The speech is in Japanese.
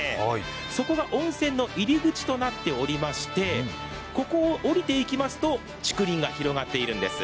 そこが温泉の入り口となっておりまして、ここを下りていきますと竹林が広がっているんです。